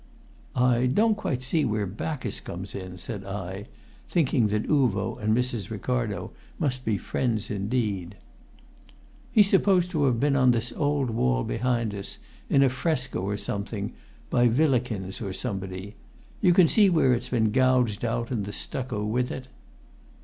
"I don't quite see where Bacchus comes in," said I, thinking that Uvo and Mrs. Ricardo must be friends indeed. "He's supposed to have been on this old wall behind us, in a fresco or something, by Villikins or somebody. You can see where it's been gouged out, and the stucco with it."